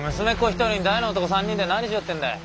一人に大の男３人で何しようってんだい？